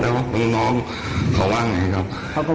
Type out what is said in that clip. แล้วคือคุณได้มองเขาว่าไงครับ